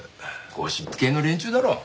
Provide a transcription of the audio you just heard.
ゴシップ系の連中だろ？